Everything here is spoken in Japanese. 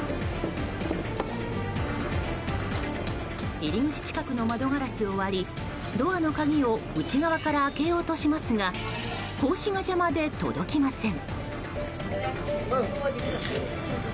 入り口近くの窓ガラスを割りドアの鍵を内側から開けようとしますが格子が邪魔で届きません。